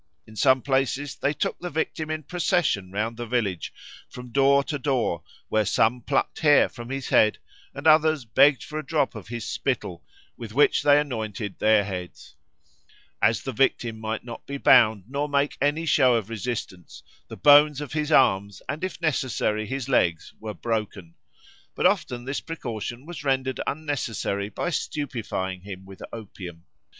In some places they took the victim in procession round the village, from door to door, where some plucked hair from his head, and others begged for a drop of his spittle, with which they anointed their heads. As the victim might not be bound nor make any show of resistance, the bones of his arms and, if necessary, his legs were broken; but often this precaution was rendered unnecessary by stupefying him with opium.